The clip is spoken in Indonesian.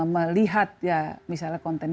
melihat ya misalnya konten